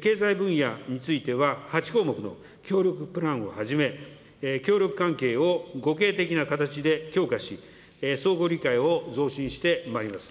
経済分野については、８項目の協力プランをはじめ、協力関係を互恵的な形で強化し、相互理解を増進してまいります。